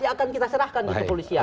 ya akan kita serahkan ke polisian